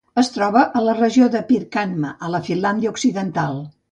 Es troba a la regió de Pirkanmaa, a la Finlàndia occidental.